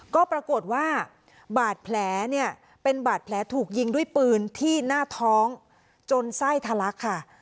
ก็ปรากฏว่าบาดแผลเนี่ยเป็นบาดแผลถูกยิงด้วยปืนที่หน้าท้องจนไส้ทะลักค่ะ